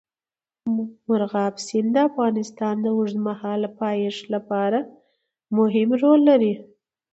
مورغاب سیند د افغانستان د اوږدمهاله پایښت لپاره مهم رول لري.